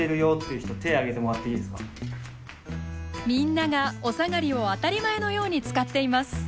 みんながおさがりを当たり前のように使っています。